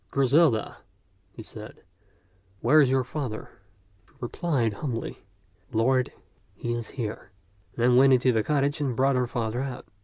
"Griselda," he said, "where is your father?" She replied humbly, " Lord, he is here "; then went into the cottage and brought her father out.